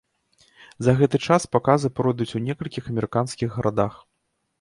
За гэты час паказы пройдуць у некалькіх амерыканскіх гарадах.